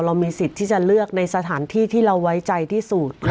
เรามีสิทธิ์ที่จะเลือกในสถานที่ที่เราไว้ใจที่สุด